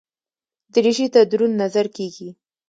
دریشي ته دروند نظر کېږي.